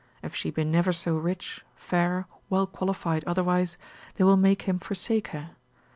If she be never so rich, fair, well qualified otherwise, they will make him forsake her.